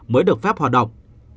mới được phép hoạt động